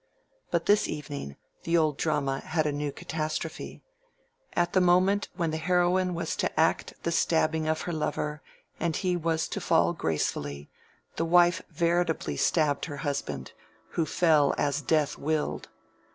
But this evening the old drama had a new catastrophe. At the moment when the heroine was to act the stabbing of her lover, and he was to fall gracefully, the wife veritably stabbed her husband, who fell as death willed.